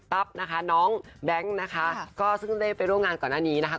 นะคะน้องแบงค์นะคะก็ซึ่งได้ไปร่วมงานก่อนหน้านี้นะคะ